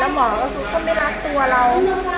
แล้วหมอก็ทุกคนไม่รักตัวเรา